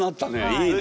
いいね。